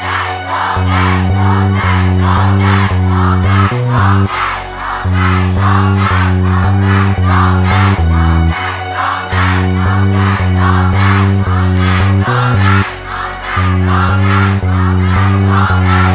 ร้องได้ร้องได้ร้องได้ร้องได้ร้องได้